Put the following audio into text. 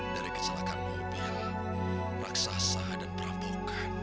dari kecelakaan mobil raksasa dan perampokan